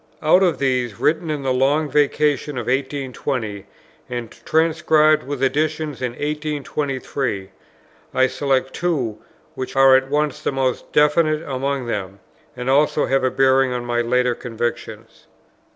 Out of these, written in the Long Vacation of 1820, and transcribed with additions in 1823, I select two, which are at once the most definite among them, and also have a bearing on my later convictions.